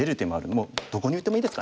もうどこに打ってもいいですかね。